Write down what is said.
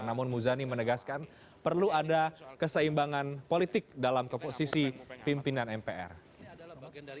namun muzani menegaskan perlu ada keseimbangan politik dalam keposisi pimpinan mpr